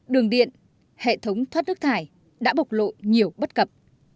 đường điện hệ thống thoát nước thải đã bộc lộ nhiều bất cập